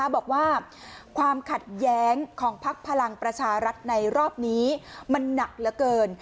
บอกว่าความขัดแย้งของพักพลังประชารัฐในรอบนี้มันหนักเหลือเกิน